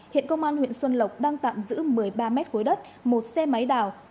hiện công an huyện xuân lộc đang tạm giữ một mươi ba mét khối đất một xe máy đào